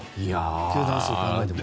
球団数を考えても。